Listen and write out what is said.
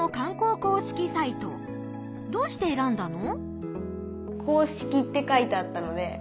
どうして選んだの？